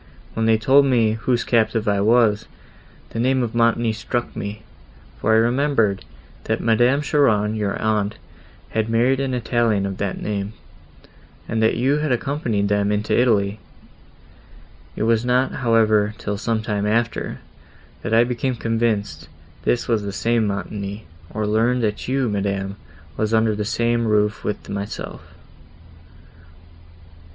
When they told me, whose captive I was, the name of Montoni struck me, for I remembered, that Madame Cheron, your aunt, had married an Italian of that name, and that you had accompanied them into Italy. It was not, however, till some time after, that I became convinced this was the same Montoni, or learned that you, madam, was under the same roof with myself.